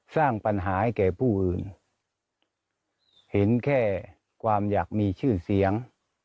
สร้างปัญหาให้แก่ผู้อื่นเห็นแค่ความอยากมีชื่อเสียง